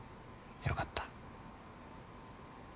よかった。